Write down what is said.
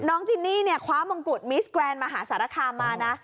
จินนี่เนี่ยคว้ามงกุฎมิสแกรนดมหาสารคามมานะ